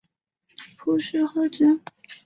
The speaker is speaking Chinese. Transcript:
蒲氏花楸